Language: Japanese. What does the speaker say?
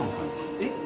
・えっ？